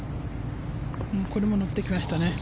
これも乗ってきましたね。